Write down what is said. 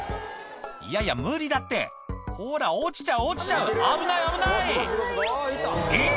いやいや無理だってほら落ちちゃう落ちちゃう危ない危ないえっ！